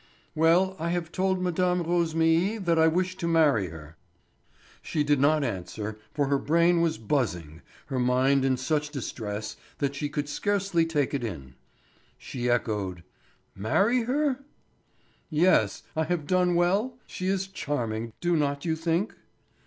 "Well, I have told Mme. Rosémilly that I wish to marry her." She did not answer, for her brain was buzzing, her mind in such distress that she could scarcely take it in. She echoed: "Marry her?" "Yes. Have I done well? She is charming, do not you think?"